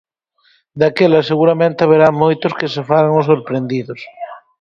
Daquela seguramente haberá moitos que se fagan os sorprendidos.